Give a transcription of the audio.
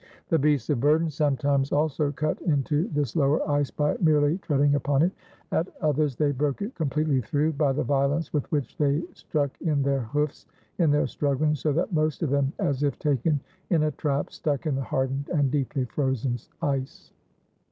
The beasts of burden sometimes also cut into this lower ice by merely tread ing upon it; at others they broke it completely through, by the violence with which they struck in their hoofs in their struggHng, so that most of them, as if taken in a trap, stuck in the hardened and deeply frozen ice.